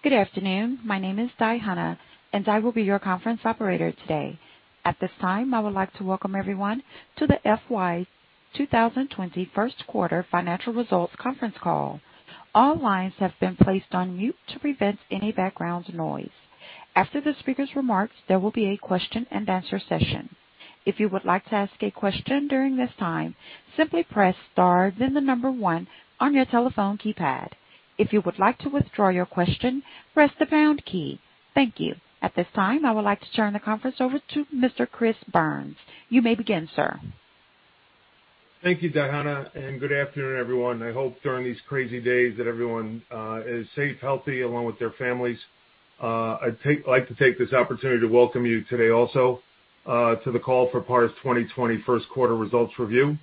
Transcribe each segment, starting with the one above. Good afternoon. My name is Diana, and I will be your conference operator today. At this time, I would like to welcome everyone to the FY 2020 first quarter financial results conference call. All lines have been placed on mute to prevent any background noise. After the speaker's remarks, there will be a question and answer session. If you would like to ask a question during this time, simply press star, then the number one on your telephone keypad. If you would like to withdraw your question, press the pound key. Thank you. At this time, I would like to turn the conference over to Mr. Chris Byrnes. You may begin, sir. Thank you, Diana, and good afternoon, everyone. I hope during these crazy days that everyone is safe, healthy, along with their families. I'd like to take this opportunity to welcome you today also to the call for PAR's 2020 first quarter results review.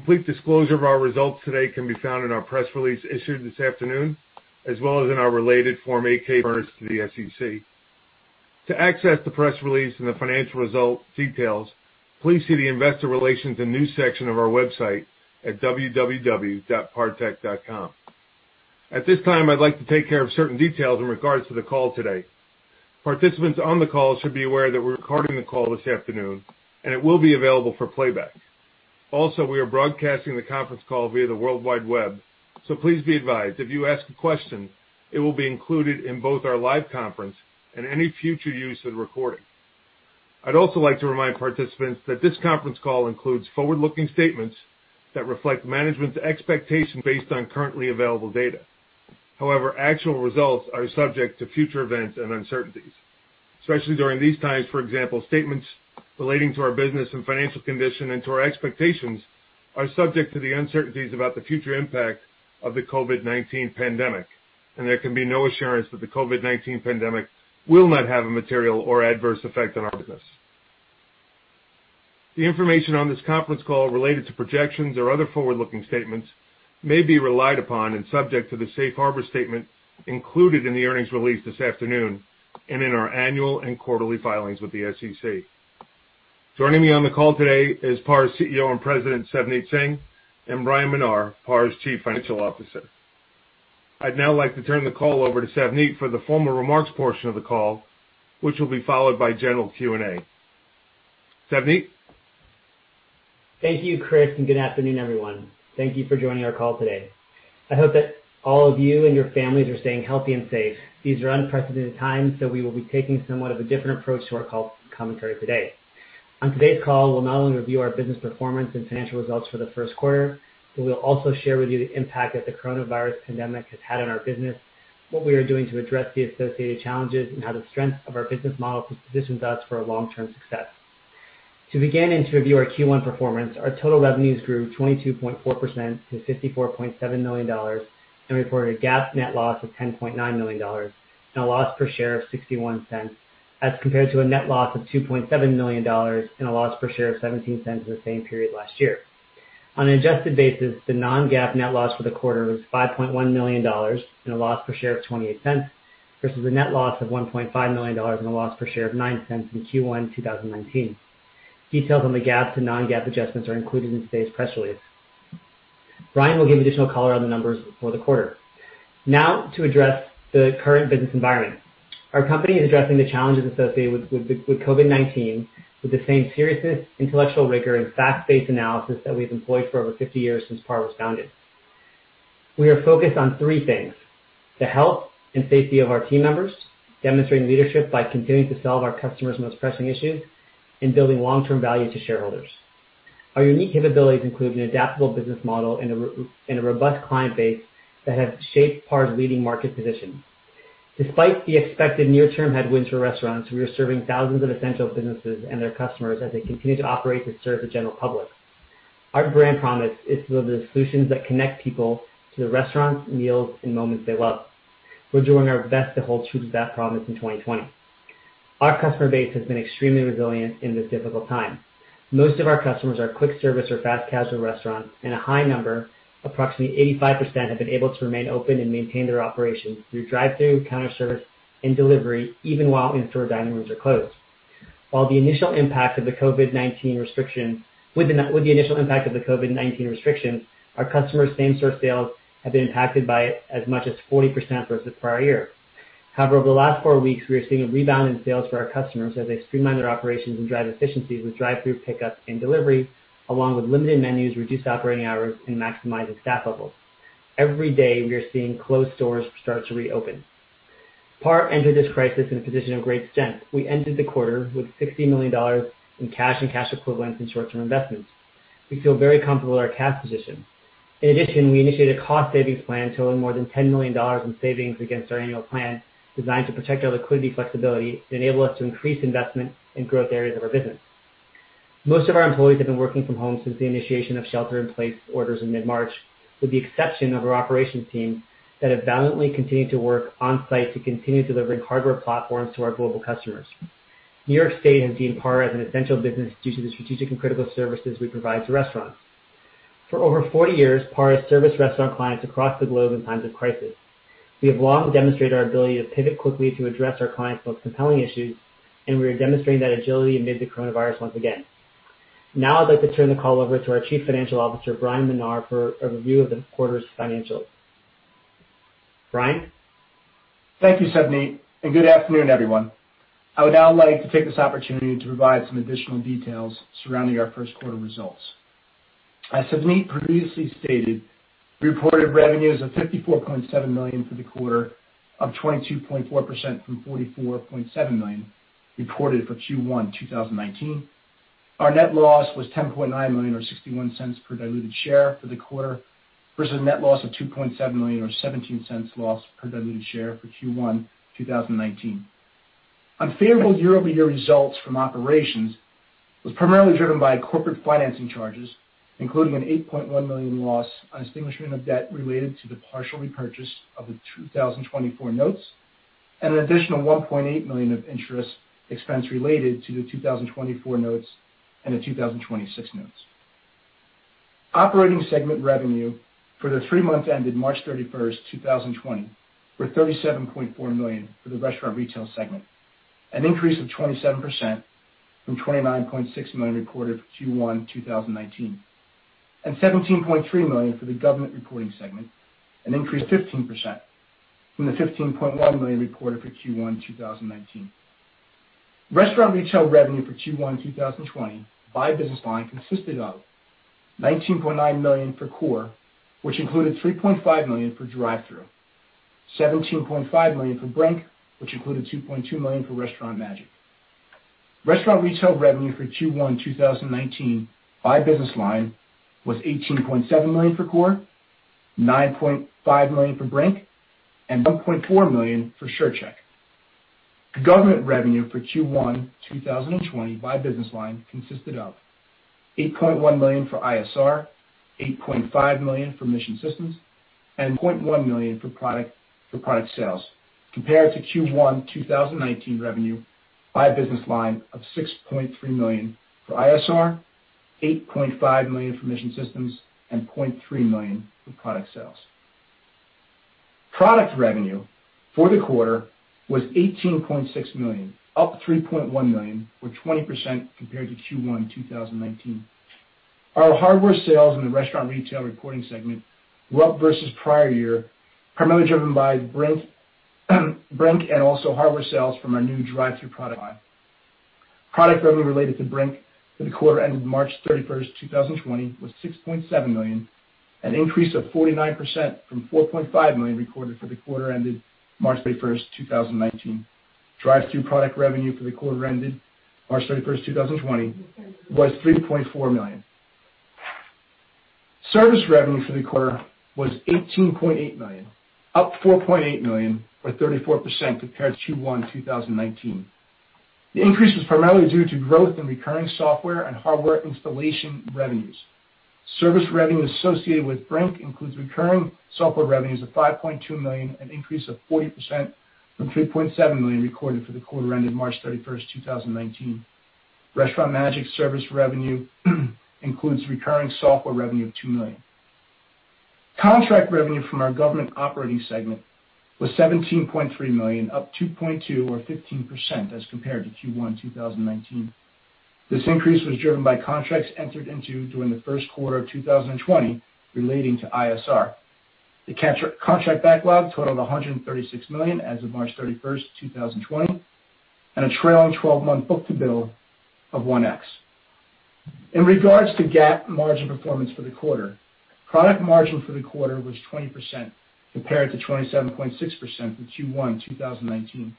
Complete disclosure of our results today can be found in our press release issued this afternoon, as well as in our related Form 8-K filed to the SEC. To access the press release and the financial result details, please see the investor relations and news section of our website at www.partech.com. At this time, I'd like to take care of certain details in regards to the call today. Participants on the call should be aware that we're recording the call this afternoon, and it will be available for playback. Also, we are broadcasting the conference call via the World Wide Web, so please be advised if you ask a question, it will be included in both our live conference and any future use of the recording. I'd also like to remind participants that this conference call includes forward-looking statements that reflect management's expectations based on currently available data. However, actual results are subject to future events and uncertainties, especially during these times. For example, statements relating to our business and financial condition and to our expectations are subject to the uncertainties about the future impact of the COVID-19 pandemic, and there can be no assurance that the COVID-19 pandemic will not have a material or adverse effect on our business. The information on this conference call related to projections or other forward-looking statements may be relied upon and subject to the safe harbor statement included in the earnings release this afternoon and in our annual and quarterly filings with the SEC. Joining me on the call today is PAR CEO and President Savneet Singh and Bryan Menar, PAR's Chief Financial Officer. I'd now like to turn the call over to Savneet for the formal remarks portion of the call, which will be followed by general Q&A. Savneet. Thank you, Chris, and good afternoon, everyone. Thank you for joining our call today. I hope that all of you and your families are staying healthy and safe. These are unprecedented times, so we will be taking somewhat of a different approach to our call commentary today. On today's call, we'll not only review our business performance and financial results for the first quarter, but we'll also share with you the impact that the coronavirus pandemic has had on our business, what we are doing to address the associated challenges, and how the strength of our business model positions us for long-term success. To begin and to review our Q1 performance, our total revenues grew 22.4% to $54.7 million and reported a GAAP net loss of $10.9 million and a loss per share of $0.61 as compared to a net loss of $2.7 million and a loss per share of $0.17 in the same period last year. On an adjusted basis, the non-GAAP net loss for the quarter was $5.1 million and a loss per share of $0.28 versus a net loss of $1.5 million and a loss per share of $0.09 in Q1 2019. Details on the GAAP to non-GAAP adjustments are included in today's press release. Bryan will give additional color on the numbers for the quarter. Now, to address the current business environment, our company is addressing the challenges associated with COVID-19 with the same seriousness, intellectual rigor, and fact-based analysis that we've employed for over 50 years since PAR was founded. We are focused on three things: the health and safety of our team members, demonstrating leadership by continuing to solve our customers' most pressing issues, and building long-term value to shareholders. Our unique capabilities include an adaptable business model and a robust client base that have shaped PAR's leading market position. Despite the expected near-term headwinds for restaurants, we are serving thousands of essential businesses and their customers as they continue to operate to serve the general public. Our brand promise is to deliver solutions that connect people to the restaurants, meals, and moments they love. We're doing our best to hold true to that promise in 2020. Our customer base has been extremely resilient in this difficult time. Most of our customers are quick service or fast casual restaurants, and a high number, approximately 85%, have been able to remain open and maintain their operations through drive-through, counter service, and delivery, even while in-store dining rooms are closed. While the initial impact of the COVID-19 restrictions, our customers' same-store sales have been impacted by as much as 40% versus the prior year. However, over the last four weeks, we are seeing a rebound in sales for our customers as they streamline their operations and drive efficiencies with drive-through pickup and delivery, along with limited menus, reduced operating hours, and maximizing staff levels. Every day, we are seeing closed stores start to reopen. PAR entered this crisis in a position of great strength. We ended the quarter with $60 million in cash and cash equivalents and short-term investments. We feel very comfortable with our cash position. In addition, we initiated a cost savings plan totaling more than $10 million in savings against our annual plan, designed to protect our liquidity flexibility and enable us to increase investment and growth areas of our business. Most of our employees have been working from home since the initiation of shelter-in-place orders in mid-March, with the exception of our operations team that have valiantly continued to work on-site to continue delivering hardware platforms to our global customers. New York State has deemed PAR as an essential business due to the strategic and critical services we provide to restaurants. For over 40 years, PAR has served restaurant clients across the globe in times of crisis. We have long demonstrated our ability to pivot quickly to address our clients' most compelling issues, and we are demonstrating that agility amid the coronavirus once again. Now, I'd like to turn the call over to our Chief Financial Officer, Bryan Menar, for a review of the quarter's financials. Bryan? Thank you, Savneet, and good afternoon, everyone. I would now like to take this opportunity to provide some additional details surrounding our first quarter results. As Savneet previously stated, we reported revenues of $54.7 million for the quarter, up 22.4% from $44.7 million reported for Q1 2019. Our net loss was $10.9 million, or $0.61 per diluted share for the quarter, versus a net loss of $2.7 million, or $0.17 loss per diluted share for Q1 2019. Unfavorable year-over-year results from operations were primarily driven by corporate financing charges, including an $8.1 million loss on a single stream of debt related to the partial repurchase of the 2024 notes and an additional $1.8 million of interest expense related to the 2024 notes and the 2026 notes. Operating segment revenue for the three months ended March 31, 2020, were $37.4 million for the restaurant retail segment, an increase of 27% from $29.6 million reported for Q1 2019, and $17.3 million for the government reporting segment, an increase of 15% from the $15.1 million reported for Q1 2019. Restaurant retail revenue for Q1 2020 by business line consisted of $19.9 million for Core, which included $3.5 million for Drive-Thru, $17.5 million for Brink, which included $2.2 million for Restaurant Magic. Restaurant retail revenue for Q1 2019 by business line was $18.7 million for Core, $9.5 million for Brink, and $1.4 million for SureCheck. Government revenue for Q1 2020 by business line consisted of $8.1 million for ISR, $8.5 million for Mission Systems, and $1.1 million for product sales, compared to Q1 2019 revenue by business line of $6.3 million for ISR, $8.5 million for Mission Systems, and $0.3 million for product sales. Product revenue for the quarter was $18.6 million, up $3.1 million, or 20% compared to Q1 2019. Our hardware sales in the restaurant retail reporting segment were up versus prior year, primarily driven by Brink and also hardware sales from our new drive-through product line. Product revenue related to Brink for the quarter ended March 31, 2020, was $6.7 million, an increase of 49% from $4.5 million recorded for the quarter ended March 31, 2019. Drive-through product revenue for the quarter ended March 31, 2020, was $3.4 million. Service revenue for the quarter was $18.8 million, up $4.8 million, or 34% compared to Q1 2019. The increase was primarily due to growth in recurring software and hardware installation revenues. Service revenue associated with Brink includes recurring software revenues of $5.2 million, an increase of 40% from $3.7 million recorded for the quarter ended March 31, 2019. Restaurant Magic service revenue includes recurring software revenue of $2 million. Contract revenue from our government operating segment was $17.3 million, up $2.2 million, or 15% as compared to Q1 2019. This increase was driven by contracts entered into during the first quarter of 2020 relating to ISR. The contract backlog totaled $136 million as of March 31, 2020, and a trailing 12-month book to bill of $1X. In regards to GAAP margin performance for the quarter, product margin for the quarter was 20% compared to 27.6% for Q1 2019.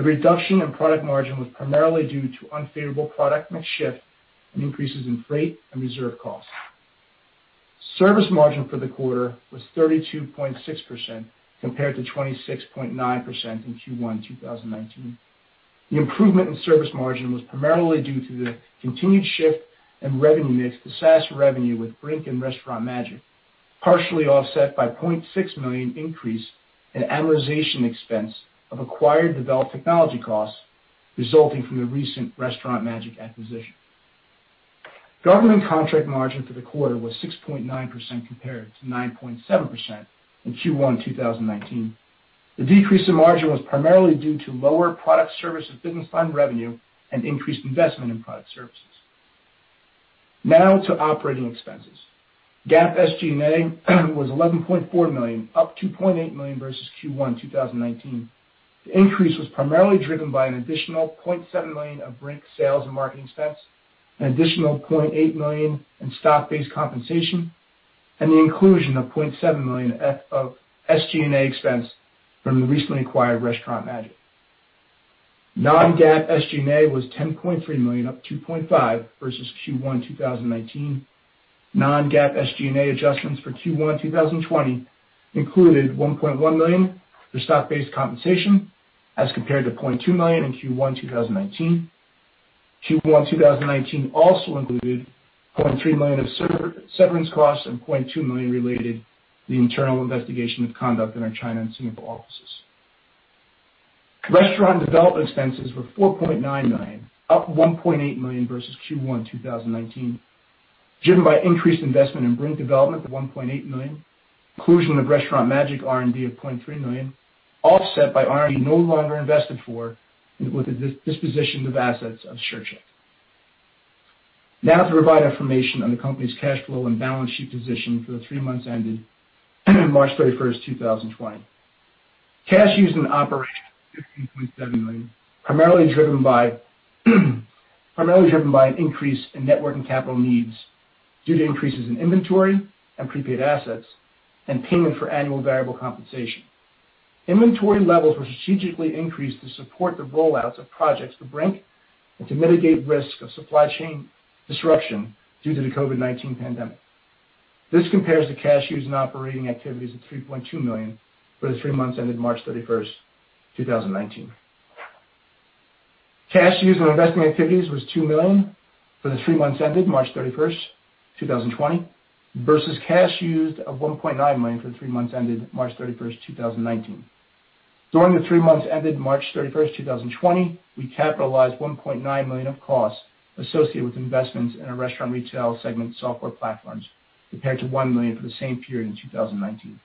The reduction in product margin was primarily due to unfavorable product mix shift and increases in freight and reserve costs. Service margin for the quarter was 32.6% compared to 26.9% in Q1 2019. The improvement in service margin was primarily due to the continued shift in revenue mix to SaaS revenue with Brink and Restaurant Magic, partially offset by a $0.6 million increase in amortization expense of acquired developed technology costs resulting from the recent Restaurant Magic acquisition. Government contract margin for the quarter was 6.9% compared to 9.7% in Q1 2019. The decrease in margin was primarily due to lower product service and business line revenue and increased investment in product services. Now to operating expenses. GAAP SG&A was $11.4 million, up $2.8 million versus Q1 2019. The increase was primarily driven by an additional $0.7 million of Brink sales and marketing expense, an additional $0.8 million in stock-based compensation, and the inclusion of $0.7 million of SG&A expense from the recently acquired Restaurant Magic. Non-GAAP SG&A was $10.3 million, up $2.5 million versus Q1 2019. Non-GAAP SG&A adjustments for Q1 2020 included $1.1 million for stock-based compensation as compared to $0.2 million in Q1 2019. Q1 2019 also included $0.3 million of severance costs and $0.2 million related to the internal investigation of conduct in our China and Singapore offices. Restaurant development expenses were $4.9 million, up $1.8 million versus Q1 2019, driven by increased investment in Brink development of $1.8 million, inclusion of Restaurant Magic R&D of $0.3 million, offset by R&D no longer invested for with the disposition of assets of Shirt Check. Now to provide information on the company's cash flow and balance sheet position for the three months ended March 31, 2020. Cash used in operations was $15.7 million, primarily driven by an increase in net working capital needs due to increases in inventory and prepaid assets and payment for annual variable compensation. Inventory levels were strategically increased to support the rollouts of projects for Brink and to mitigate risk of supply chain disruption due to the COVID-19 pandemic. This compares the cash used in operating activities to $3.2 million for the three months ended March 31, 2019. Cash used in investing activities was $2 million for the three months ended March 31, 2020, versus cash used of $1.9 million for the three months ended March 31, 2019. During the three months ended March 31, 2020, we capitalized $1.9 million of costs associated with investments in our restaurant retail segment software platforms compared to $1 million for the same period in 2019.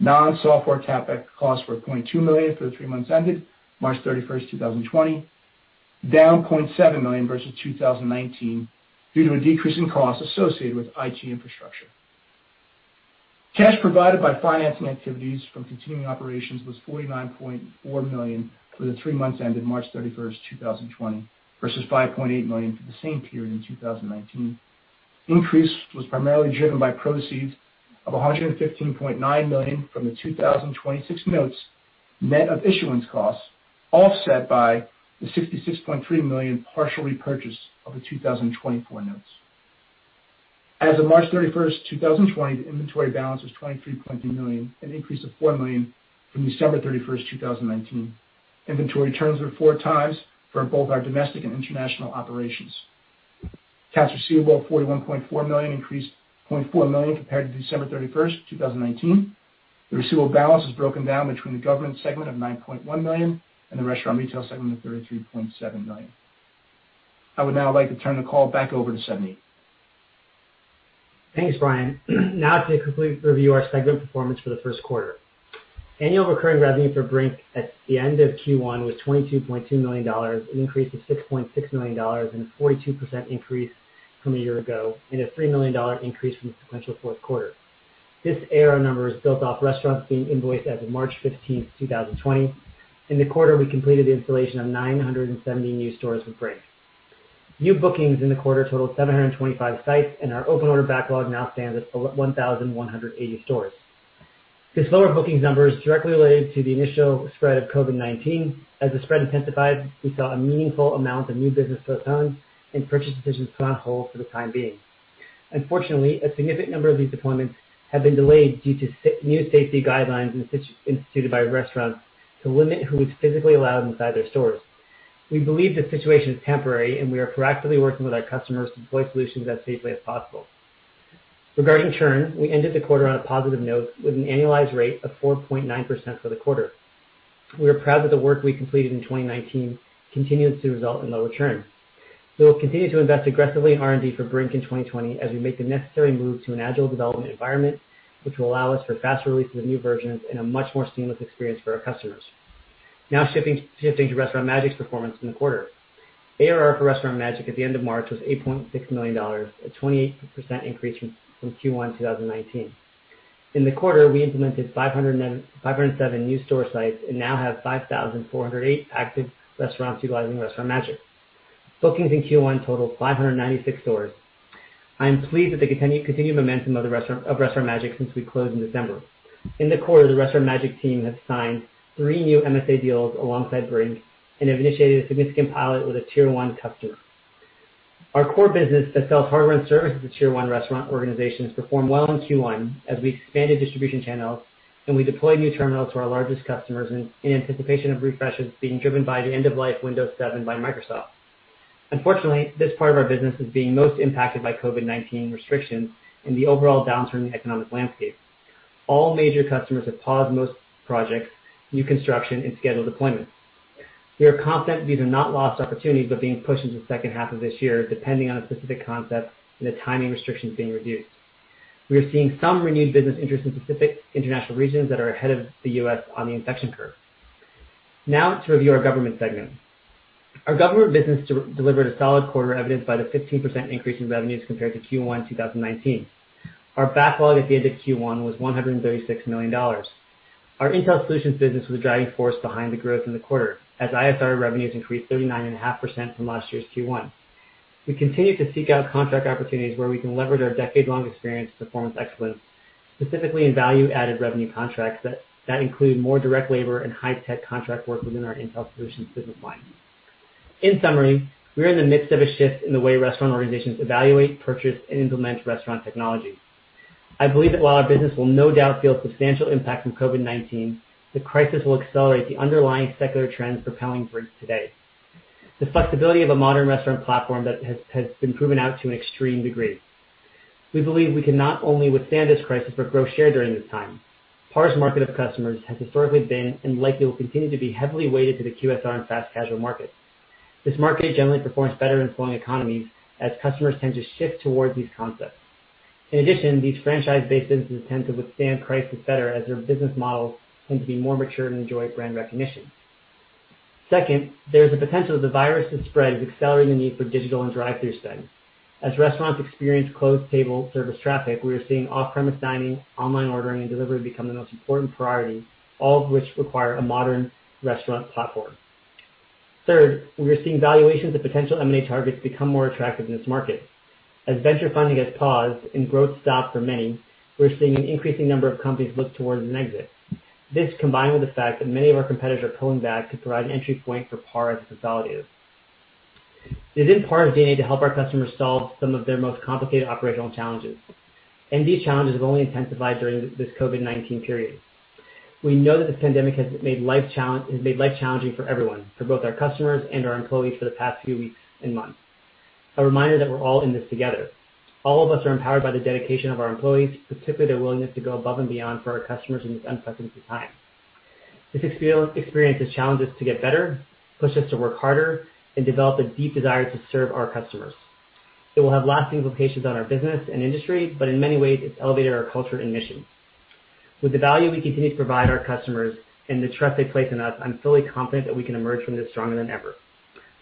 Non-software CapEx costs were $0.2 million for the three months ended March 31, 2020, down $0.7 million versus 2019 due to a decrease in costs associated with IT infrastructure. Cash provided by financing activities from continuing operations was $49.4 million for the three months ended March 31, 2020, versus $5.8 million for the same period in 2019. Increase was primarily driven by proceeds of $115.9 million from the 2026 notes net of issuance costs, offset by the $66.3 million partial repurchase of the 2024 notes. As of March 31, 2020, the inventory balance was $23.3 million, an increase of $4 million from December 31, 2019. Inventory turns were four times for both our domestic and international operations. Cash receivable of $41.4 million increased $0.4 million compared to December 31, 2019. The receivable balance was broken down between the government segment of $9.1 million and the restaurant retail segment of $33.7 million. I would now like to turn the call back over to Savneet. Thanks, Brian. Now to complete review our segment performance for the first quarter. Annual recurring revenue for Brink at the end of Q1 was $22.2 million, an increase of $6.6 million, and a 42% increase from a year ago, and a $3 million increase from the sequential fourth quarter. This ARR number was built off restaurants being invoiced as of March 15th, 2020. In the quarter, we completed the installation of 970 new stores with Brink. New bookings in the quarter totaled 725 sites, and our open order backlog now stands at 1,180 stores. This lower bookings number is directly related to the initial spread of COVID-19. As the spread intensified, we saw a meaningful amount of new business postponed and purchase decisions put on hold for the time being. Unfortunately, a significant number of these deployments have been delayed due to new safety guidelines instituted by restaurants to limit who is physically allowed inside their stores. We believe this situation is temporary, and we are proactively working with our customers to deploy solutions as safely as possible. Regarding churn, we ended the quarter on a positive note with an annualized rate of 4.9% for the quarter. We are proud that the work we completed in 2019 continues to result in low churn. We will continue to invest aggressively in R&D for Brink in 2020 as we make the necessary move to an agile development environment, which will allow us for faster releases of new versions and a much more seamless experience for our customers. Now shifting to Restaurant Magic's performance in the quarter. ARR for Restaurant Magic at the end of March was $8.6 million, a 28% increase from Q1 2019. In the quarter, we implemented 507 new store sites and now have 5,408 active restaurants utilizing Restaurant Magic. Bookings in Q1 totaled 596 stores. I am pleased at the continued momentum of Restaurant Magic since we closed in December. In the quarter, the Restaurant Magic team has signed three new MSA deals alongside Brink and have initiated a significant pilot with a Tier 1 customer. Our core business that sells hardware and services to Tier 1 restaurant organizations performed well in Q1 as we expanded distribution channels and we deployed new terminals to our largest customers in anticipation of refreshes being driven by the end-of-life Windows 7 by Microsoft. Unfortunately, this part of our business is being most impacted by COVID-19 restrictions and the overall downturn in the economic landscape. All major customers have paused most projects, new construction, and scheduled deployments. We are confident these are not lost opportunities but being pushed into the second half of this year depending on a specific concept and the timing restrictions being reduced. We are seeing some renewed business interest in specific international regions that are ahead of the U.S. on the infection curve. Now to review our government segment. Our government business delivered a solid quarter evidenced by the 15% increase in revenues compared to Q1 2019. Our backlog at the end of Q1 was $136 million. Our intel solutions business was a driving force behind the growth in the quarter as ISR revenues increased 39.5% from last year's Q1. We continue to seek out contract opportunities where we can leverage our decade-long experience and performance excellence, specifically in value-added revenue contracts that include more direct labor and high-tech contract work within our intel solutions business line. In summary, we are in the midst of a shift in the way restaurant organizations evaluate, purchase, and implement restaurant technology. I believe that while our business will no doubt feel a substantial impact from COVID-19, the crisis will accelerate the underlying secular trends propelling Brink today, the flexibility of a modern restaurant platform that has been proven out to an extreme degree. We believe we can not only withstand this crisis but grow share during this time. PAR's market of customers has historically been and likely will continue to be heavily weighted to the QSR and fast casual market. This market generally performs better in slowing economies as customers tend to shift towards these concepts. In addition, these franchise-based businesses tend to withstand crisis better as their business models tend to be more mature and enjoy brand recognition. Second, there is a potential that the virus has spread and is accelerating the need for digital and drive-through spend. As restaurants experience closed table service traffic, we are seeing off-premise dining, online ordering, and delivery become the most important priorities, all of which require a modern restaurant platform. Third, we are seeing valuations of potential M&A targets become more attractive in this market. As venture funding has paused and growth stopped for many, we're seeing an increasing number of companies look towards an exit. This, combined with the fact that many of our competitors are pulling back, could provide an entry point for PAR as a consolidative. It is in PAR's DNA to help our customers solve some of their most complicated operational challenges. These challenges have only intensified during this COVID-19 period. We know that this pandemic has made life challenging for everyone, for both our customers and our employees for the past few weeks and months. A reminder that we're all in this together. All of us are empowered by the dedication of our employees, particularly their willingness to go above and beyond for our customers in this unprecedented time. This experience has challenged us to get better, pushed us to work harder, and developed a deep desire to serve our customers. It will have lasting implications on our business and industry, but in many ways, it's elevated our culture and mission. With the value we continue to provide our customers and the trust they place in us, I'm fully confident that we can emerge from this stronger than ever.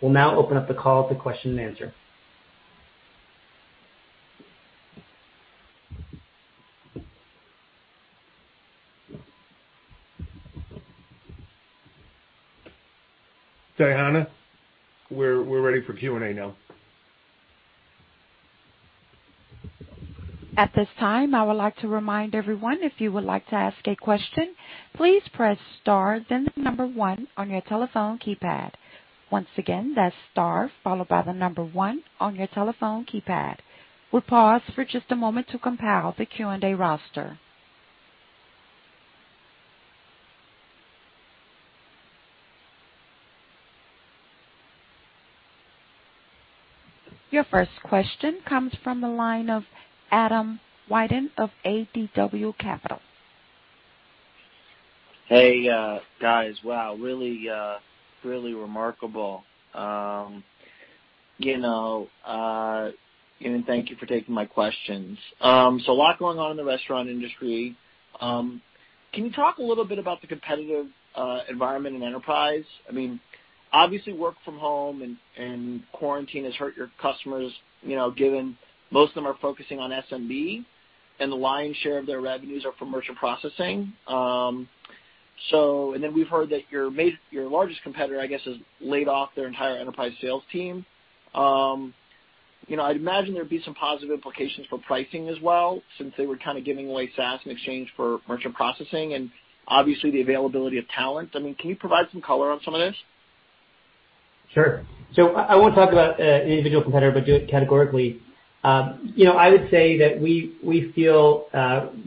We'll now open up the call to question and answer. Diana, we're ready for Q&A now. At this time, I would like to remind everyone, if you would like to ask a question, please press Star, then the number one on your telephone keypad. Once again, that's Star, followed by the number one on your telephone keypad. We'll pause for just a moment to compile the Q&A roster. Your first question comes from the line of Adam Wyden of ADW Capital. Hey, guys. Wow, really remarkable. You know, thank you for taking my questions. A lot going on in the restaurant industry. Can you talk a little bit about the competitive environment in enterprise? I mean, obviously, work from home and quarantine has hurt your customers, given most of them are focusing on SMB, and the lion's share of their revenues are from merchant processing. We've heard that your largest competitor, I guess, has laid off their entire enterprise sales team. I'd imagine there would be some positive implications for pricing as well, since they were kind of giving away SaaS in exchange for merchant processing and, obviously, the availability of talent. I mean, can you provide some color on some of this? Sure. I will not talk about individual competitor, but do it categorically. I would say that we feel,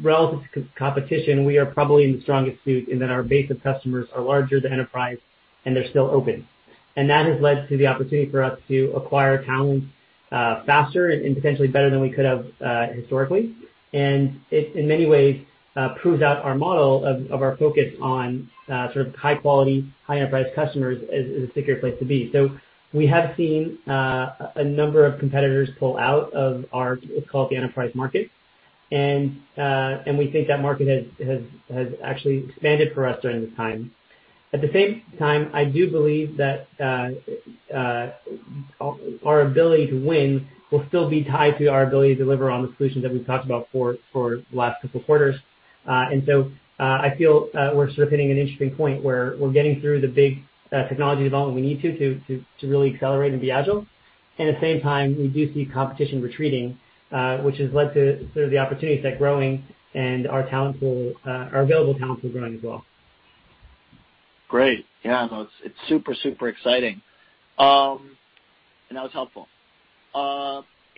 relative to competition, we are probably in the strongest suit, in that our base of customers are larger than enterprise, and they are still open. That has led to the opportunity for us to acquire talent faster and potentially better than we could have historically. It, in many ways, proves out our model of our focus on sort of high-quality, high-enterprise customers as a secure place to be. We have seen a number of competitors pull out of our what's called the enterprise market. We think that market has actually expanded for us during this time. At the same time, I do believe that our ability to win will still be tied to our ability to deliver on the solutions that we've talked about for the last couple of quarters. I feel we're sort of hitting an interesting point where we're getting through the big technology development we need to to really accelerate and be agile. At the same time, we do see competition retreating, which has led to sort of the opportunities that are growing and our available talent for growing as well. Great. Yeah, no, it's super, super exciting. That was helpful.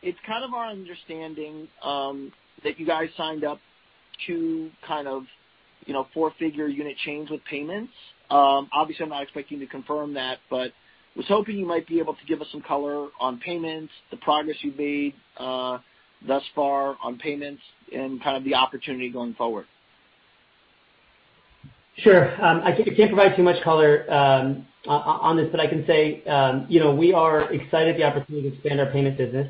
It's kind of our understanding that you guys signed up to kind of four-figure unit chains with payments. Obviously, I'm not expecting you to confirm that, but was hoping you might be able to give us some color on payments, the progress you've made thus far on payments, and kind of the opportunity going forward. Sure. I can't provide too much color on this, but I can say we are excited at the opportunity to expand our payment business.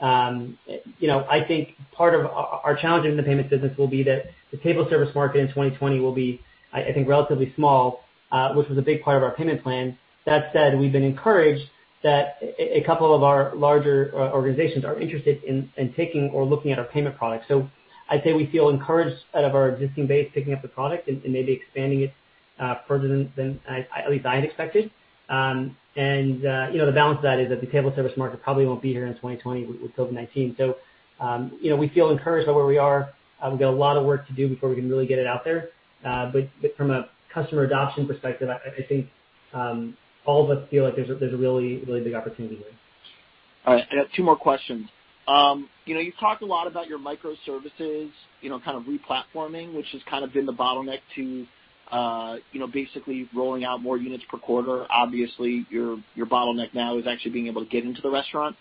I think part of our challenge in the payment business will be that the table service market in 2020 will be, I think, relatively small, which was a big part of our payment plan. That said, we've been encouraged that a couple of our larger organizations are interested in taking or looking at our payment products. I'd say we feel encouraged out of our existing base picking up the product and maybe expanding it further than at least I had expected. The balance of that is that the table service market probably won't be here in 2020 with COVID-19. We feel encouraged by where we are. We've got a lot of work to do before we can really get it out there. From a customer adoption perspective, I think all of us feel like there's a really, really big opportunity here. All right. I have two more questions. You've talked a lot about your microservices, kind of replatforming, which has kind of been the bottleneck to basically rolling out more units per quarter. Obviously, your bottleneck now is actually being able to get into the restaurant.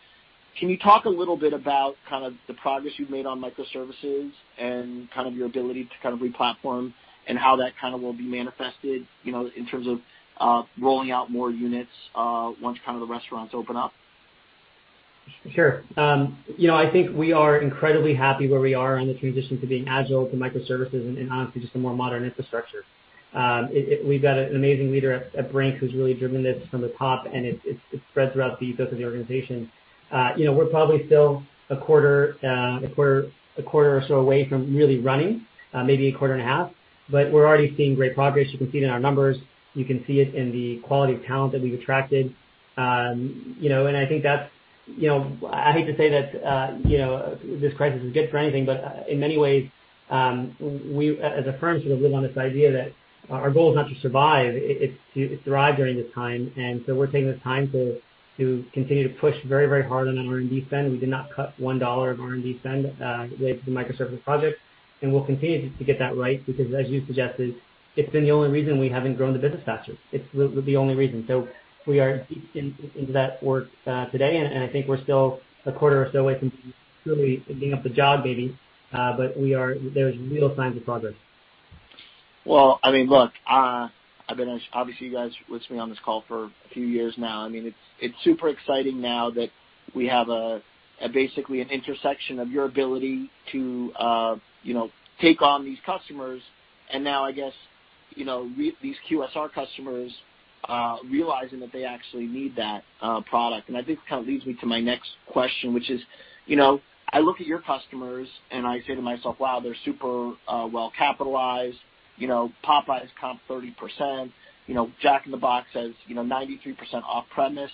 Can you talk a little bit about kind of the progress you've made on microservices and kind of your ability to kind of replatform and how that kind of will be manifested in terms of rolling out more units once kind of the restaurants open up? Sure. I think we are incredibly happy where we are on the transition to being agile to microservices and, honestly, just a more modern infrastructure. We've got an amazing leader at Brink who's really driven this from the top, and it's spread throughout the ethos of the organization. We're probably still a quarter or so away from really running, maybe a quarter and a half, but we're already seeing great progress. You can see it in our numbers. You can see it in the quality of talent that we've attracted. I think that's I hate to say that this crisis is good for anything, but in many ways, we as a firm sort of live on this idea that our goal is not to survive. It's to thrive during this time. We are taking this time to continue to push very, very hard on our R&D spend. We did not cut one dollar of R&D spend related to the microservices project. We'll continue to get that right because, as you suggested, it's been the only reason we haven't grown the business faster. It's the only reason. We are deep into that work today, and I think we're still a quarter or so away from truly being up the jog, maybe, but there are real signs of progress. I mean, look, I've been obviously, you guys with me on this call for a few years now. I mean, it's super exciting now that we have basically an intersection of your ability to take on these customers and now, I guess, these QSR customers realizing that they actually need that product. I think it kind of leads me to my next question, which is I look at your customers and I say to myself, "Wow, they're super well-capitalized. Popeyes comp 30%. Jack in the Box has 93% off-premise."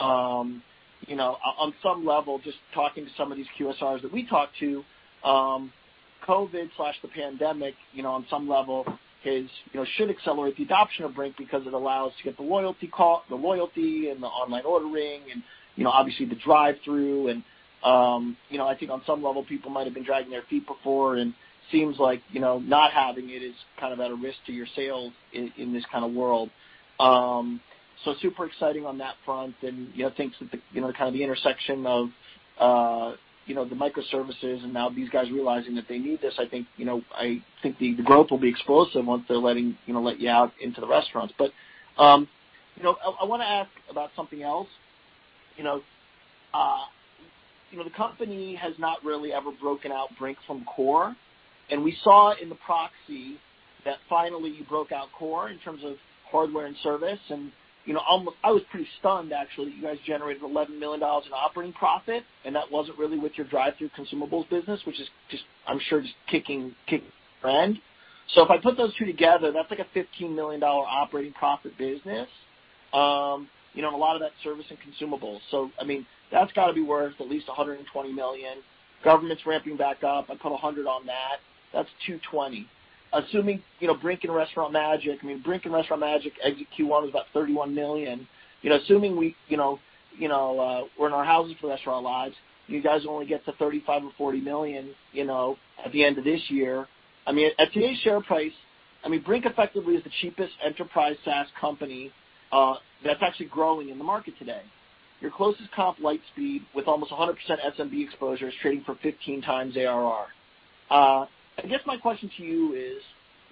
On some level, just talking to some of these QSRs that we talked to, COVID/the pandemic, on some level, should accelerate the adoption of Brink because it allows to get the loyalty and the online ordering and, obviously, the drive-through. I think on some level, people might have been dragging their feet before, and it seems like not having it is kind of at a risk to your sales in this kind of world. Super exciting on that front and things that kind of the intersection of the microservices and now these guys realizing that they need this. I think the growth will be explosive once they're letting you out into the restaurants. I want to ask about something else. The company has not really ever broken out Brink from Core. We saw in the proxy that finally you broke out Core in terms of hardware and service. I was pretty stunned, actually, that you guys generated $11 million in operating profit, and that wasn't really with your drive-through consumables business, which is, I'm sure, just kicking the brand. If I put those two together, that's like a $15 million operating profit business and a lot of that service and consumables. I mean, that's got to be worth at least $120 million. Government's ramping back up. I put $100 million on that. That's $220 million. Assuming Brink and Restaurant Magic, I mean, Brink and Restaurant Magic exit Q1 was about $31 million. Assuming we're in our houses for the rest of our lives, you guys only get to $35 million or $40 million at the end of this year. I mean, at today's share price, I mean, Brink effectively is the cheapest enterprise SaaS company that's actually growing in the market today. Your closest comp, Lightspeed, with almost 100% SMB exposure is trading for 15 times ARR. I guess my question to you is,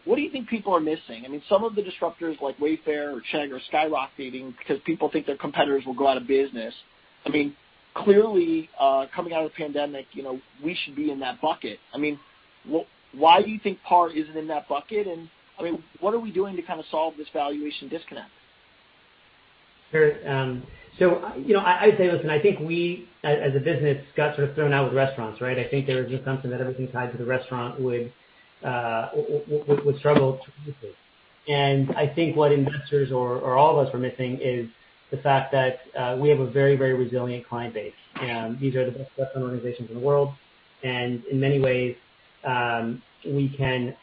what do you think people are missing? I mean, some of the disruptors like Wayfair or Chegg are skyrocketing because people think their competitors will go out of business. I mean, clearly, coming out of the pandemic, we should be in that bucket. I mean, why do you think PAR isn't in that bucket? I mean, what are we doing to kind of solve this valuation disconnect? Sure. I'd say, listen, I think we, as a business, got sort of thrown out with restaurants, right? I think there was just something that everything tied to the restaurant would struggle to reach. I think what investors or all of us were missing is the fact that we have a very, very resilient client base. These are the best-placed organizations in the world. In many ways, we can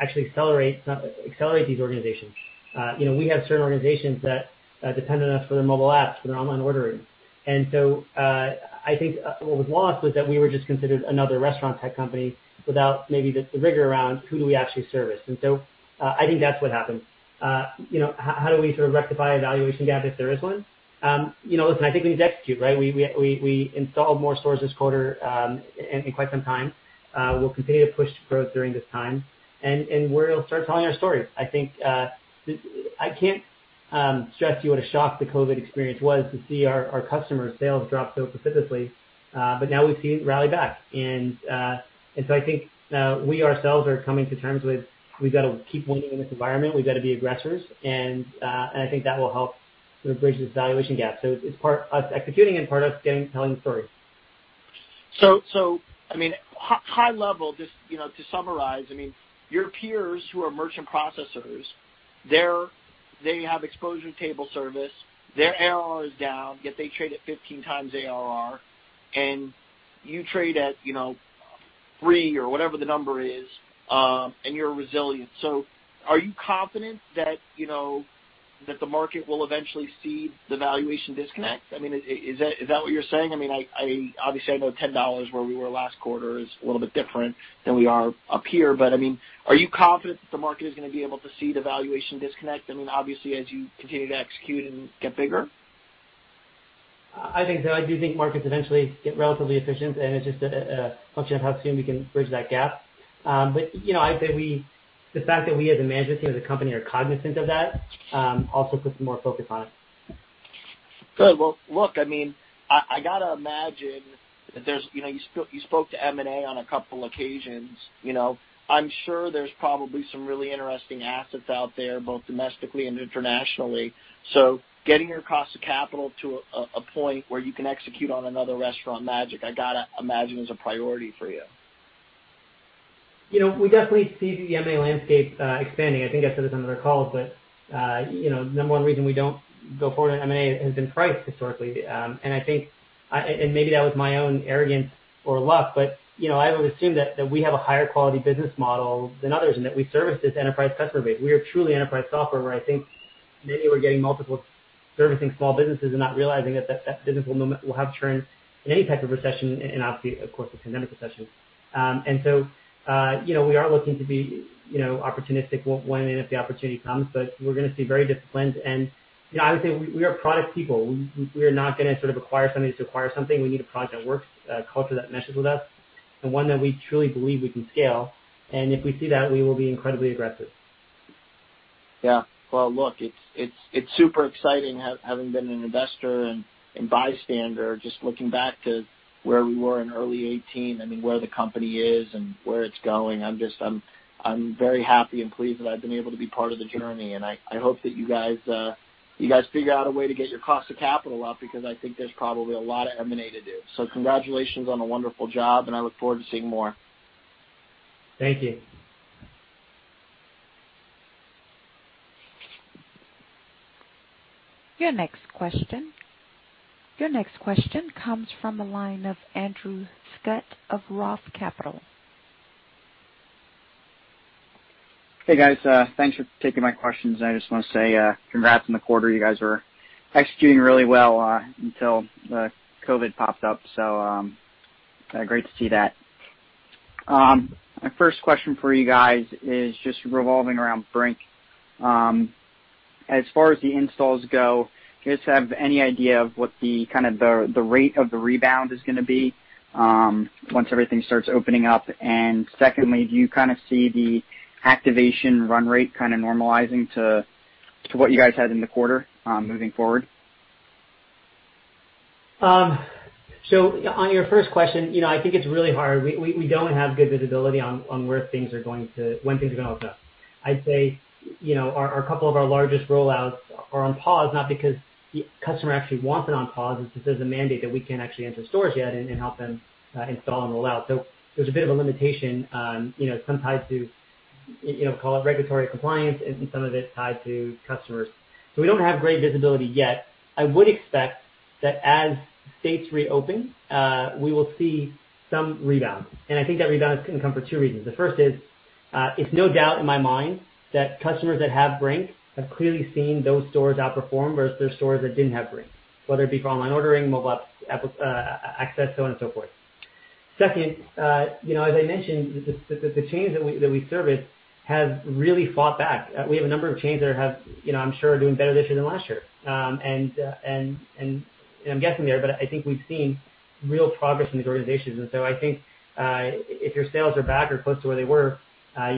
actually accelerate these organizations. We have certain organizations that depend on us for their mobile apps, for their online ordering. I think what was lost was that we were just considered another restaurant-type company without maybe the rigor around who do we actually service. I think that's what happened. How do we sort of rectify a valuation gap if there is one? Listen, I think we need to execute, right? We installed more stores this quarter in quite some time. We'll continue to push to growth during this time. We'll start telling our story. I think I can't stress to you what a shock the COVID experience was to see our customers' sales drop so precipitously. Now we've seen it rally back. I think we ourselves are coming to terms with we've got to keep winning in this environment. We've got to be aggressors. I think that will help bridge this valuation gap. It is part us executing and part us telling the story. I mean, high level, just to summarize, I mean, your peers who are merchant processors, they have exposure table service. Their ARR is down, yet they trade at 15 times ARR. And you trade at three or whatever the number is, and you're resilient. Are you confident that the market will eventually see the valuation disconnect? I mean, is that what you're saying? Obviously, I know $10 where we were last quarter is a little bit different than we are up here. But, I mean, are you confident that the market is going to be able to see the valuation disconnect? I mean, obviously, as you continue to execute and get bigger? I think so. I do think markets eventually get relatively efficient, and it's just a function of how soon we can bridge that gap. I'd say the fact that we as a management team as a company are cognizant of that also puts more focus on it. Good. Look, I mean, I got to imagine that you spoke to M&A on a couple of occasions. I'm sure there's probably some really interesting assets out there, both domestically and internationally. Getting your cost of capital to a point where you can execute on another Restaurant Magic, I got to imagine is a priority for you. We definitely see the M&A landscape expanding. I think I said this on other calls, but the number one reason we don't go forward with M&A has been price historically. I think, and maybe that was my own arrogance or luck, but I would assume that we have a higher quality business model than others and that we service this enterprise customer base. We are truly enterprise software where I think many were getting multiple servicing small businesses and not realizing that that business will have to turn in any type of recession and, obviously, of course, the pandemic recession. We are looking to be opportunistic when and if the opportunity comes, but we're going to stay very disciplined. I would say we are product people. We are not going to sort of acquire something just to acquire something. We need a product that works, a culture that meshes with us, and one that we truly believe we can scale. If we see that, we will be incredibly aggressive. Yeah. Look, it's super exciting having been an investor and bystander, just looking back to where we were in early 2018, I mean, where the company is and where it's going. I'm very happy and pleased that I've been able to be part of the journey. I hope that you guys figure out a way to get your cost of capital up because I think there's probably a lot of M&A to do. Congratulations on a wonderful job, and I look forward to seeing more. Thank you. Your next question comes from the line of Andrew Scott of Roth Capital. Hey, guys. Thanks for taking my questions. I just want to say congrats in the quarter. You guys were executing really well until COVID popped up. Great to see that. My first question for you guys is just revolving around Brink. As far as the installs go, do you guys have any idea of what the kind of the rate of the rebound is going to be once everything starts opening up? Secondly, do you kind of see the activation run rate kind of normalizing to what you guys had in the quarter moving forward? On your first question, I think it's really hard. We don't have good visibility on where things are to when things are going to open up. I'd say a couple of our largest rollouts are on pause, not because the customer actually wants it on pause. It's just there's a mandate that we can't actually enter stores yet and help them install and roll out. There's a bit of a limitation, some tied to, call it regulatory compliance, and some of it tied to customers. We don't have great visibility yet. I would expect that as states reopen, we will see some rebound. I think that rebound can come for two reasons. The first is it's no doubt in my mind that customers that have Brink have clearly seen those stores outperform versus their stores that didn't have Brink, whether it be for online ordering, mobile app access, so on and so forth. Second, as I mentioned, the chains that we service have really fought back. We have a number of chains that have, I'm sure, are doing better this year than last year. I'm guessing there, but I think we've seen real progress in these organizations. I think if your sales are back or close to where they were,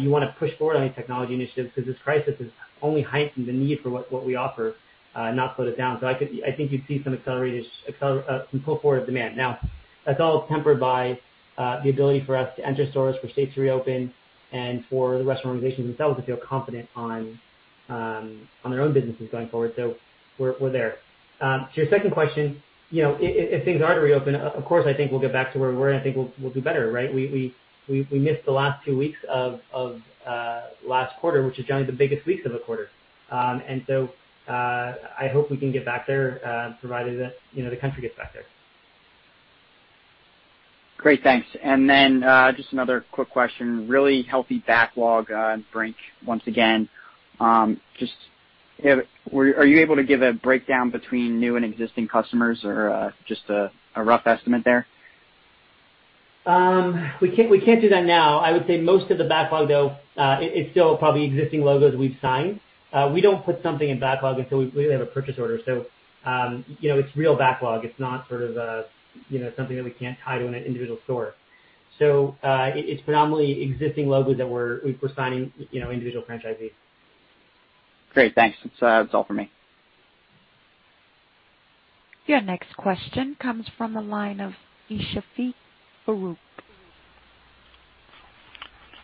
you want to push forward on these technology initiatives because this crisis has only heightened the need for what we offer, not slowed it down. I think you'd see some accelerated pull forward of demand. Now, that's all tempered by the ability for us to enter stores for states to reopen and for the restaurant organizations themselves to feel confident on their own businesses going forward. We are there. To your second question, if things are to reopen, of course, I think we'll get back to where we were, and I think we'll do better, right? We missed the last two weeks of last quarter, which is generally the biggest weeks of the quarter. I hope we can get back there provided that the country gets back there. Great. Thanks. Just another quick question. Really healthy backlog on Brink once again. Just are you able to give a breakdown between new and existing customers or just a rough estimate there? We can't do that now. I would say most of the backlog, though, it's still probably existing logos we've signed. We don't put something in backlog until we have a purchase order. So it's real backlog. It's not sort of something that we can't tie to an individual store. It's predominantly existing logos that we're signing individual franchisees. Great. Thanks. That's all for me. Your next question comes from the line of Esha Farouk.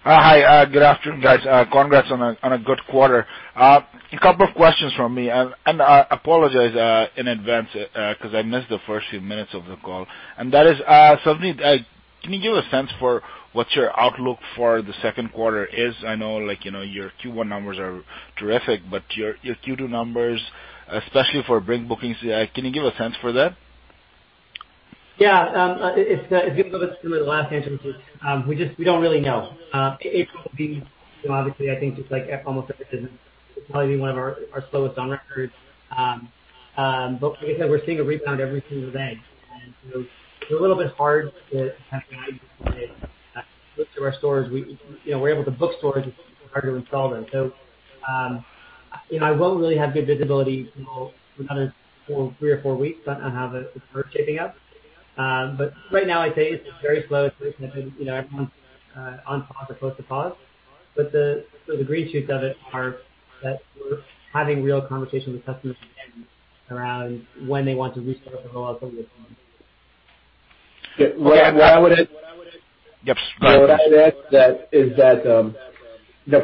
Hi. Good afternoon, guys. Congrats on a good quarter. A couple of questions for me. I apologize in advance because I missed the first few minutes of the call. Can you give a sense for what your outlook for the second quarter is? I know your Q1 numbers are terrific, but your Q2 numbers, especially for Brink bookings, can you give a sense for that? Yeah. It's going to be the last answer, which is we don't really know. April will be, obviously, I think just like almost every business, it'll probably be one of our slowest on record. Like I said, we're seeing a rebound every single day. It's a little bit hard to kind of guide to our stores. We're able to book stores; it's hard to install them. I won't really have good visibility for another three or four weeks on how the curve is shaping up. Right now, I'd say it's very slow. It's very tepid. Everyone's on pause or close to pause. The green shoots of it are that we're having real conversations with customers around when they want to restart the rollout that we have planned. Yeah. Why would it? Yep. Right. Why would that? Is that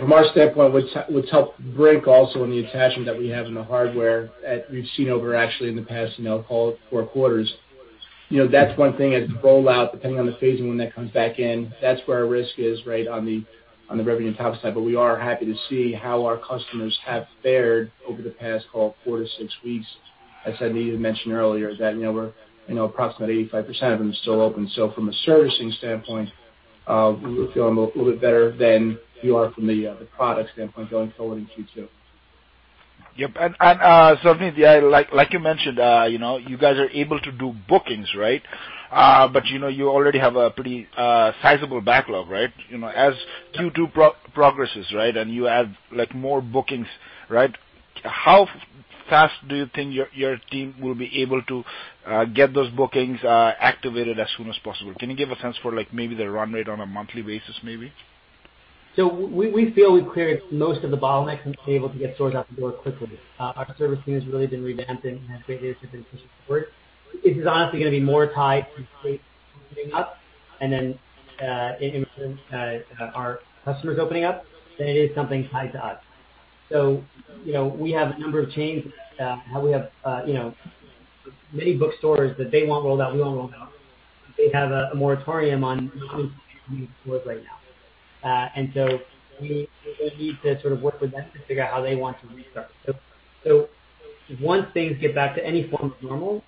from our standpoint, what's helped Brink also in the attachment that we have in the hardware that we've seen over, actually, in the past, call it four quarters, that's one thing as the rollout, depending on the phase and when that comes back in, that's where our risk is, right, on the revenue top side. We are happy to see how our customers have fared over the past, call it four to six weeks. As I needed to mention earlier, that we're approximately 85% of them still open. From a servicing standpoint, we feel a little bit better than we are from the product standpoint going forward in Q2. Yep. Sophie, like you mentioned, you guys are able to do bookings, right? You already have a pretty sizable backlog, right? As Q2 progresses, right, and you add more bookings, right, how fast do you think your team will be able to get those bookings activated as soon as possible? Can you give a sense for maybe the run rate on a monthly basis, maybe? We feel we've cleared most of the bottlenecks and been able to get stores out the door quickly. Our service team has really been revamping and has great leadership and pushing forward. This is honestly going to be more tied to states opening up and then in our customers opening up than it is something tied to us. We have a number of chains. We have many bookstores that they want rolled out. We want rolled out. They have a moratorium on new stores right now. We need to sort of work with them to figure out how they want to restart. Once things get back to any form of normal,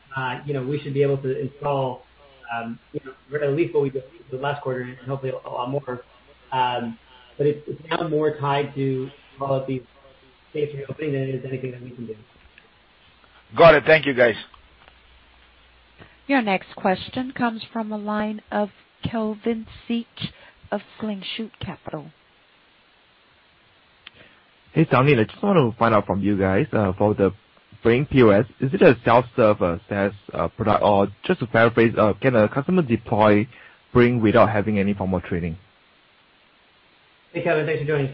we should be able to install at least what we did the last quarter and hopefully a lot more. It is now more tied to all of these states reopening than it is anything that we can do. Got it. Thank you, guys. Your next question comes from the line of Kevin Siecke of Slingshot Capital. Hey, Tony. I just want to find out from you guys about the Brink POS. Is it a self-service product? Or just to clarify, can a customer deploy Brink without having any formal training? Hey, Kevin. Thanks for joining.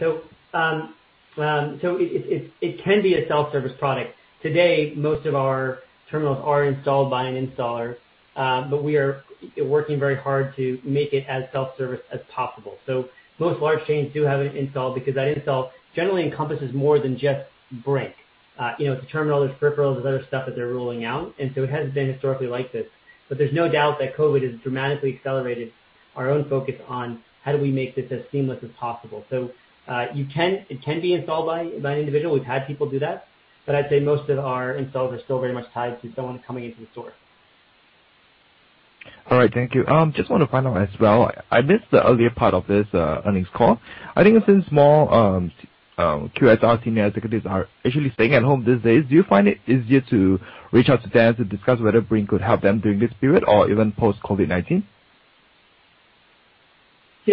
It can be a self-service product. Today, most of our terminals are installed by an installer, but we are working very hard to make it as self-service as possible. Most large chains do have an install because that install generally encompasses more than just Brink. It is a terminal. There are peripherals. There is other stuff that they are rolling out. It has not been historically like this. There is no doubt that COVID has dramatically accelerated our own focus on how do we make this as seamless as possible. It can be installed by an individual. We have had people do that. I would say most of our installs are still very much tied to someone coming into the store. All right. Thank you. Just want to finalize as well. I missed the earlier part of this earnings call. I think since more QSR team executives are actually staying at home these days, do you find it easier to reach out to them to discuss whether Brink could help them during this period or even post-COVID-19?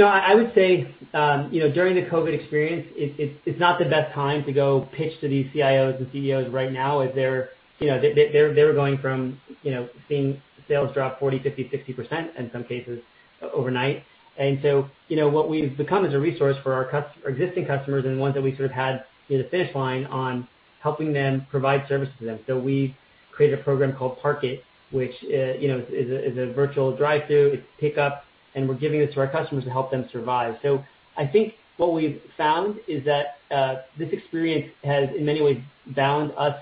I would say during the COVID experience, it's not the best time to go pitch to these CIOs and CEOs right now as they're going from seeing sales drop 40%, 50%, 60% in some cases overnight. What we've become is a resource for our existing customers and the ones that we sort of had near the finish line on helping them provide services to them. We've created a program called Park It, which is a virtual drive-through. It's pickup, and we're giving this to our customers to help them survive. I think what we've found is that this experience has, in many ways, bound us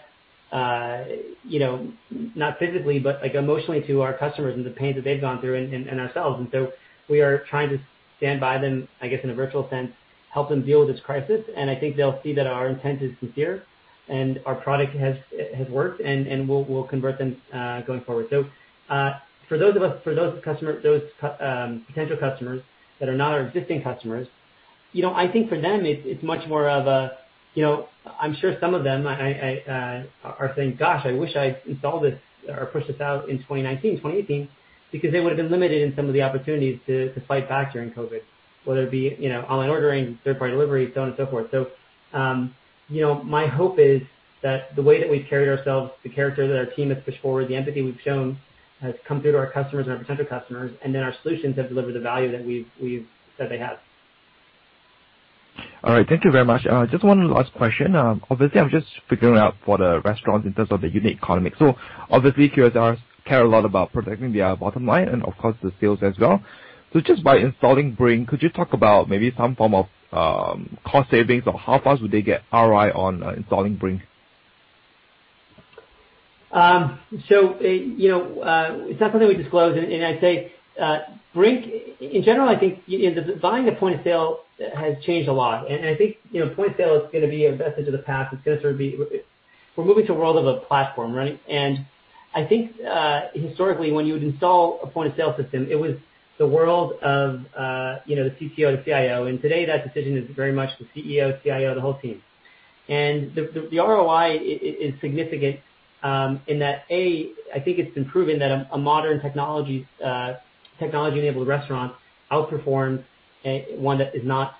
not physically, but emotionally to our customers and the pains that they've gone through and ourselves. We are trying to stand by them, I guess, in a virtual sense, help them deal with this crisis. I think they'll see that our intent is sincere and our product has worked, and we'll convert them going forward. For those potential customers that are not our existing customers, I think for them, it's much more of a I'm sure some of them are saying, "Gosh, I wish I installed this or pushed this out in 2019, 2018," because they would have been limited in some of the opportunities to fight back during COVID, whether it be online ordering, third-party delivery, so on and so forth. My hope is that the way that we've carried ourselves, the character that our team has pushed forward, the empathy we've shown has come through to our customers and our potential customers, and then our solutions have delivered the value that they have. All right. Thank you very much. Just one last question. Obviously, I'm just figuring out for the restaurants in terms of the unit economy. Obviously, QSRs care a lot about protecting their bottom line and, of course, the sales as well. Just by installing Brink, could you talk about maybe some form of cost savings or how fast would they get ROI on installing Brink? It is not something we disclose. I would say Brink, in general, I think buying a point of sale has changed a lot. I think point of sale is going to be a message of the past. It is going to sort of be we are moving to a world of a platform, right? I think historically, when you would install a point of sale system, it was the world of the CTO and the CIO. Today, that decision is very much the CEO, CIO, the whole team. The ROI is significant in that, A, I think it has been proven that a modern technology-enabled restaurant outperforms one that is not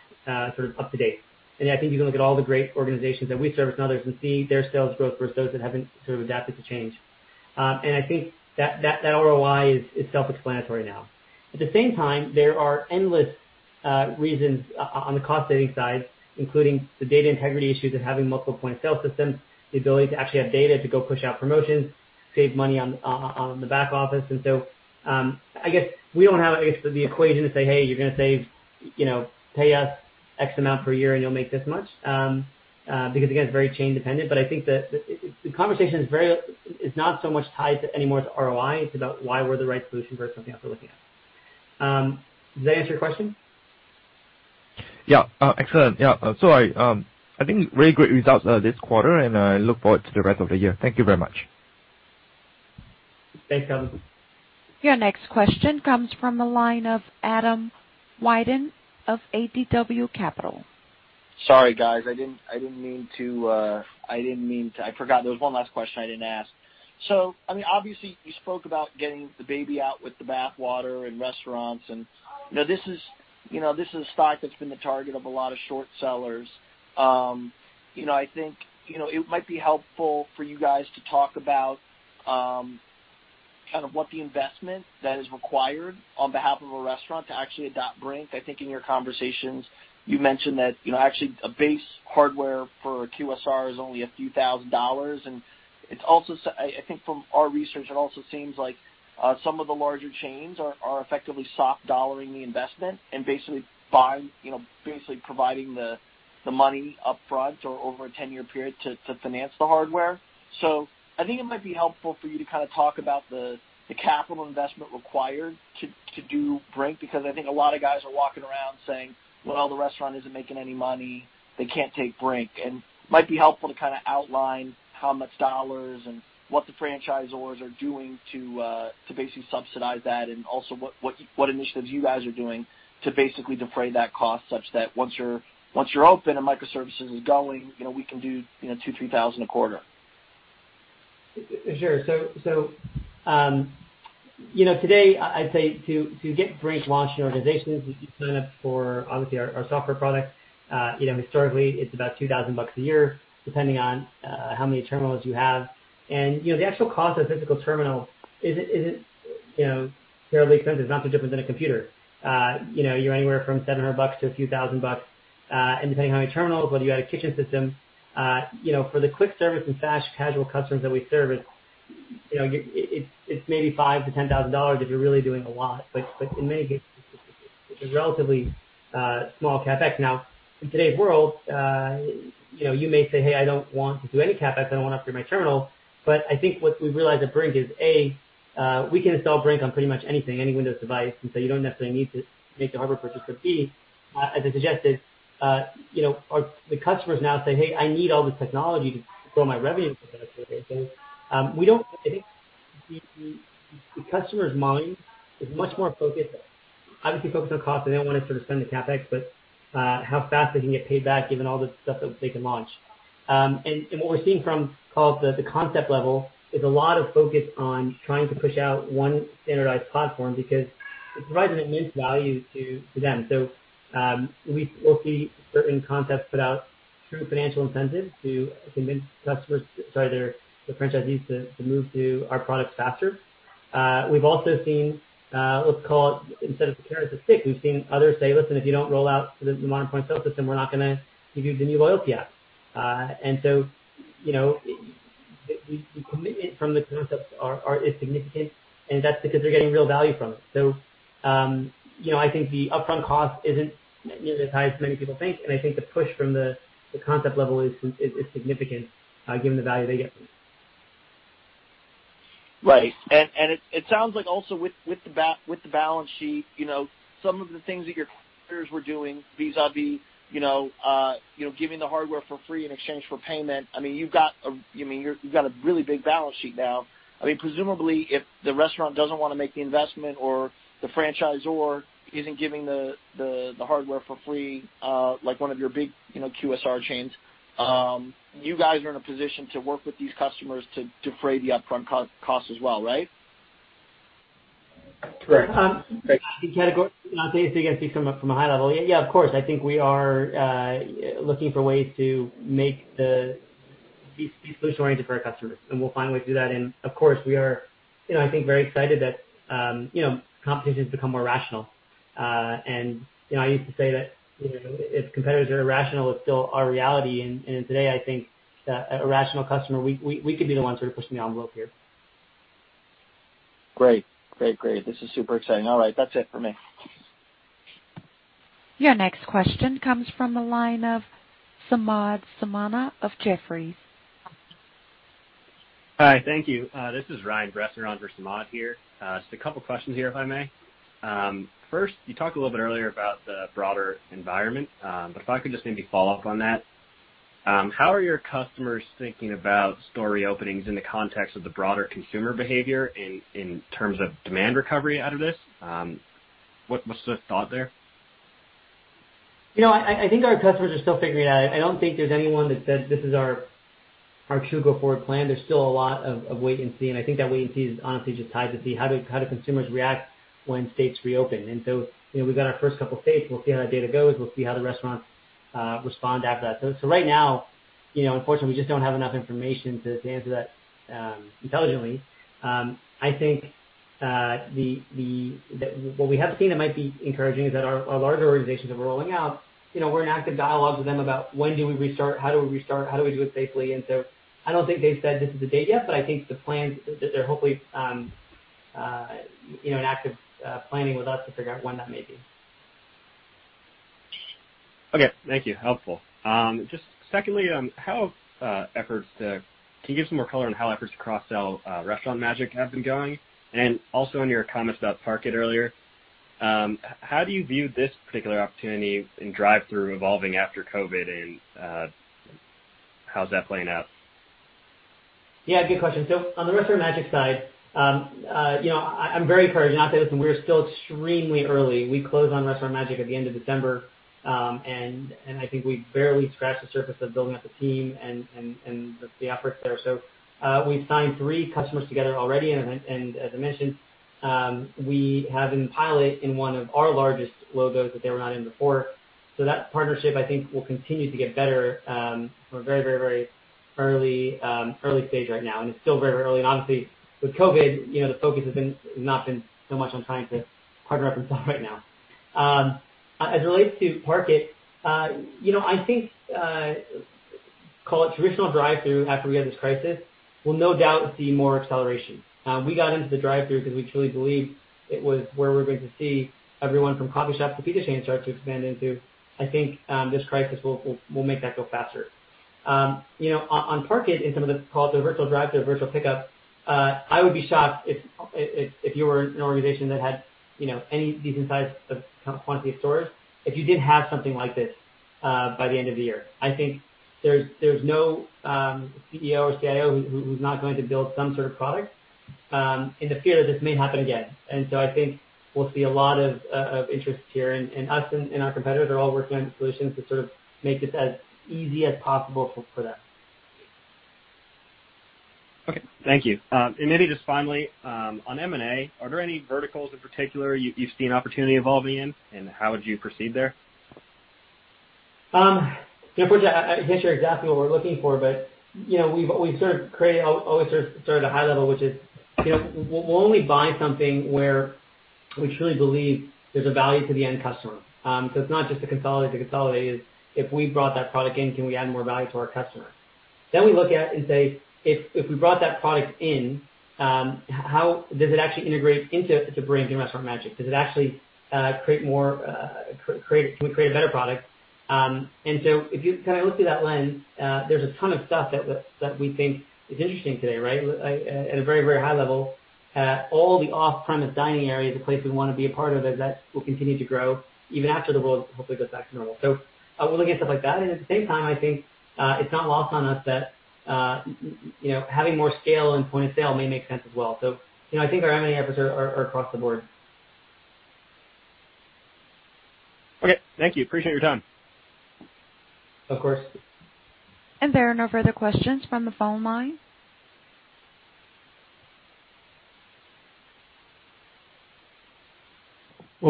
sort of up to date. I think you can look at all the great organizations that we service and others and see their sales growth versus those that have not sort of adapted to change. I think that ROI is self-explanatory now. At the same time, there are endless reasons on the cost-saving side, including the data integrity issues of having multiple point of sale systems, the ability to actually have data to go push out promotions, save money on the back office. I guess we do not have, I guess, the equation to say, "Hey, you're going to pay us X amount per year, and you'll make this much," because, again, it is very chain-dependent. I think the conversation is not so much tied anymore to ROI. It is about why we are the right solution for something else we are looking at. Does that answer your question? Yeah. Excellent. Yeah. I think really great results this quarter, and I look forward to the rest of the year. Thank you very much. Thanks, Kevin. Your next question comes from the line of Adam Wyden of ADW Capital. Sorry, guys. I didn't mean to, I forgot. There was one last question I didn't ask. I mean, obviously, you spoke about getting the baby out with the bathwater and restaurants. This is a stock that's been the target of a lot of short sellers. I think it might be helpful for you guys to talk about kind of what the investment that is required on behalf of a restaurant to actually adopt Brink. I think in your conversations, you mentioned that actually a base hardware for QSR is only a few thousand dollars. I think from our research, it also seems like some of the larger chains are effectively soft dollaring the investment and basically providing the money upfront or over a 10-year period to finance the hardware. I think it might be helpful for you to kind of talk about the capital investment required to do Brink because I think a lot of guys are walking around saying, "Well, the restaurant isn't making any money. They can't take Brink." It might be helpful to kind of outline how much dollars and what the franchisors are doing to basically subsidize that and also what initiatives you guys are doing to basically defray that cost such that once you're open and microservices are going, we can do 2,000, 3,000 a quarter. Sure. Today, I'd say to get Brink launched in organizations, you sign up for, obviously, our software product. Historically, it's about $2,000 a year, depending on how many terminals you have. The actual cost of a physical terminal isn't terribly expensive. It's not too different than a computer. You're anywhere from $700 to a few thousand bucks. Depending on how many terminals, whether you add a kitchen system, for the quick service and fast casual customers that we serve, it's maybe $5,000-$10,000 if you're really doing a lot. In many cases, it's a relatively small CapEx. Now, in today's world, you may say, "Hey, I don't want to do any CapEx. I don't want to upgrade my terminal." I think what we've realized at Brink is, A, we can install Brink on pretty much anything, any Windows device, and you don't necessarily need to make the hardware purchase. B, as I suggested, the customers now say, "Hey, I need all this technology to grow my revenue potentially." I think the customer's mind is much more focused, obviously focused on cost. They don't want to sort of spend the CapEx, but how fast they can get paid back given all the stuff that they can launch. What we're seeing from the concept level is a lot of focus on trying to push out one standardized platform because it provides an immense value to them. We'll see certain concepts put out through financial incentives to convince customers, sorry, their franchisees, to move to our products faster. We've also seen what's called instead of the carrot and the stick, we've seen others say, "Listen, if you don't roll out the modern point of sale system, we're not going to give you the new loyalty app." The commitment from the concepts is significant, and that's because they're getting real value from it. I think the upfront cost isn't nearly as high as many people think. I think the push from the concept level is significant given the value they get from it. Right. It sounds like also with the balance sheet, some of the things that your competitors were doing vis-à-vis, giving the hardware for free in exchange for payment, I mean, you've got a—I mean, you've got a really big balance sheet now. I mean, presumably, if the restaurant does not want to make the investment or the franchisor is not giving the hardware for free like one of your big QSR chains, you guys are in a position to work with these customers to defray the upfront cost as well, right? Correct. I think I speak from a high level. Yeah, of course. I think we are looking for ways to make these solutions oriented for our customers. We'll find ways to do that. Of course, we are, I think, very excited that competition has become more rational. I used to say that if competitors are irrational, it's still our reality. Today, I think that a rational customer, we could be the ones sort of pushing the envelope here. Great. Great. Great. This is super exciting. All right. That's it for me. Your next question comes from the line of Samad Samana of Jefferies. Hi. Thank you. This is Ryan Presler for Samad here. Just a couple of questions here, if I may. First, you talked a little bit earlier about the broader environment. If I could just maybe follow up on that, how are your customers thinking about store reopenings in the context of the broader consumer behavior in terms of demand recovery out of this? What's the thought there? I think our customers are still figuring it out. I don't think there's anyone that says this is our true go-forward plan. There's still a lot of wait and see. I think that wait and see is honestly just tied to see how do consumers react when states reopen. We've got our first couple of states. We'll see how that data goes. We'll see how the restaurants respond after that. Right now, unfortunately, we just don't have enough information to answer that intelligently. I think what we have seen that might be encouraging is that our larger organizations that we're rolling out, we're in active dialogue with them about when do we restart, how do we restart, how do we do it safely. I don't think they've said this is the date yet, but I think the plans that they're hopefully in active planning with us to figure out when that may be. Okay. Thank you. Helpful. Just secondly, can you give some more color on how efforts to cross-sell Restaurant Magic have been going? Also, in your comments about Park It earlier, how do you view this particular opportunity and drive-through evolving after COVID, and how's that playing out? Yeah. Good question. On the Restaurant Magic side, I'm very encouraged. I'll say this, we're still extremely early. We closed on Restaurant Magic at the end of December, and I think we barely scratched the surface of building up the team and the efforts there. We've signed three customers together already. As I mentioned, we have in pilot in one of our largest logos that they were not in before. That partnership, I think, will continue to get better. We're very, very, very early stage right now, and it's still very, very early. Obviously, with COVID, the focus has not been so much on trying to partner up and stuff right now. As it relates to Park It, I think call it traditional drive-through after we had this crisis will no doubt see more acceleration. We got into the drive-through because we truly believed it was where we're going to see everyone from coffee shops to pizza chains start to expand into. I think this crisis will make that go faster. On Park It and some of the, call it the virtual drive-through or virtual pickup, I would be shocked if you were an organization that had any decent size of quantity of stores if you didn't have something like this by the end of the year. I think there's no CEO or CIO who's not going to build some sort of product in the fear that this may happen again. I think we'll see a lot of interest here. Us and our competitors are all working on solutions to sort of make this as easy as possible for them. Okay. Thank you. Maybe just finally, on M&A, are there any verticals in particular you've seen opportunity evolving in, and how would you proceed there? Unfortunately, I can't share exactly what we're looking for, but we've sort of created, always sort of started at a high level, which is we'll only buy something where we truly believe there's a value to the end customer. So it's not just to consolidate. The consolidate is if we brought that product in, can we add more value to our customer? Then we look at and say, if we brought that product in, does it actually integrate into Brink and Restaurant Magic? Does it actually create more—can we create a better product? If you kind of look through that lens, there's a ton of stuff that we think is interesting today, right? At a very, very high level, all the off-premise dining areas, the place we want to be a part of, will continue to grow even after the world hopefully goes back to normal. We're looking at stuff like that. At the same time, I think it's not lost on us that having more scale in point of sale may make sense as well. I think our M&A efforts are across the board. Okay. Thank you. Appreciate your time. Of course. There are no further questions from the phone line.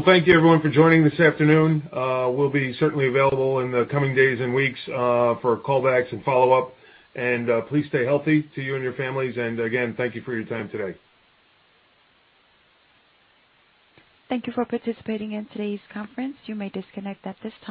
Thank you, everyone, for joining this afternoon. We will be certainly available in the coming days and weeks for callbacks and follow-up. Please stay healthy to you and your families. Again, thank you for your time today. Thank you for participating in today's conference. You may disconnect at this time.